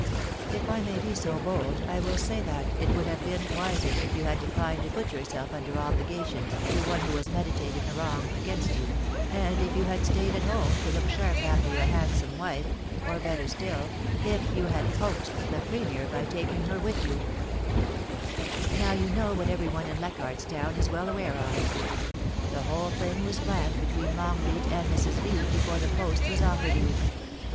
If I may make so bold I will say that it would have been wiser if you had declined to put yourself under obligatioiis to one who was meditating a wrong against you, and if you had stayed at home to look sharp after your handsome wife — or, better still, if you had hoaxed the Premier by faking her with you, * Now you know what everyone in Leichardt's Town is well aware on. The whole thing was planned between Longleat and Mrs. V. before the post was offered you.